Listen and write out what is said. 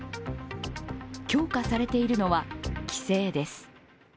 強化されているのは、規制です。